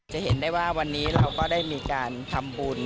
จะเห็นได้ว่าวันนี้เราก็ได้มีการทำบุญ